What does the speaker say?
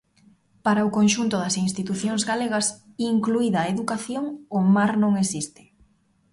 Para o conxunto das institucións galegas, incluída a Educación, o mar non existe.